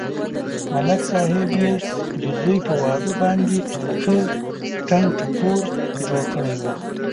ملک صاحب یې د زوی په واده باندې ښه ټنگ ټکور جوړ کړی و.